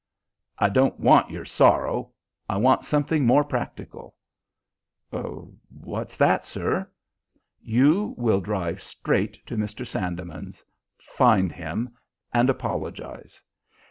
"I don't want your sorrow. I want something more practical." "What's that, sir?" "You will drive straight to Mr. Sandeman's, find him, and apologize.